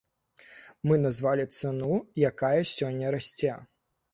Мы назвалі цану, якая сёння расце.